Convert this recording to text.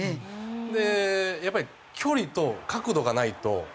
やっぱり距離と角度がないと。